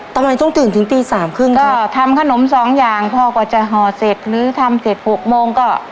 ทำไมต้องตื่นถึงตีสามครึ่งก็ทำขนมสองอย่างพอกว่าจะห่อเสร็จหรือทำเสร็จหกโมงก็